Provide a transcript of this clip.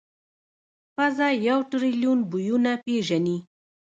پزه یو ټریلیون بویونه پېژني.